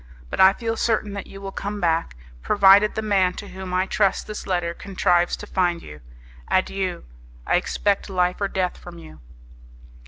But I feel certain that you will come back, provided the man to whom I trust this letter contrives to find you. Adieu! I expect life or death from you."